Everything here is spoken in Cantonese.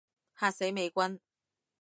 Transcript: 嚇死美軍